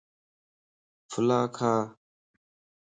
ڦلا کا